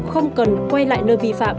không cần quay lại nơi vi phạm